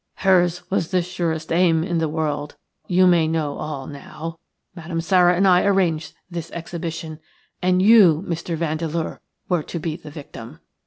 "Hers was the surest aim in the world. You may know all now. Madame Sara and I arranged this exhibition, and you, Mr. Vandeleur, were to be the victim.